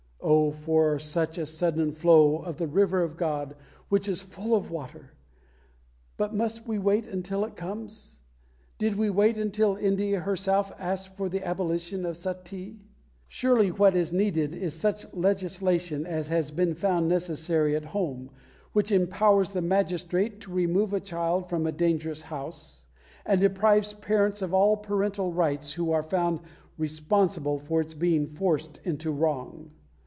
Oh for such a sudden flow of the River of God, which is full of water! But must we wait until it comes? Did we wait until India herself asked for the abolition of suttee? Surely what is needed is such legislation as has been found necessary at home, which empowers the magistrate to remove a child from a dangerous house, and deprives parents of all parental rights who are found responsible for its being forced into wrong.